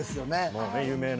もう有名な。